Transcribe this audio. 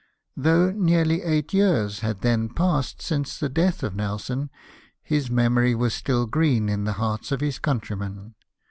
Though nearly eight years had then passed since the death of Nelson, his memory was still green in the hearts of his countrymen.